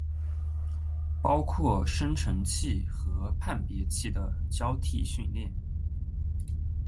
包括生成器和判别器的交替训练